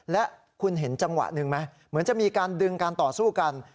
และคุณเห็นจังหวะหนึ่งไหมเหมือนจะมีการดึงการต่อสู้กัน